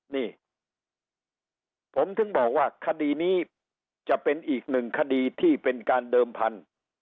นี่ผมถึงบอกว่าคดีนี้จะเป็นอีกหนึ่งคดีที่เป็นการเดิมพันธุ์